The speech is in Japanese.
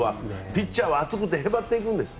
ピッチャーは暑くてへばっていくんです。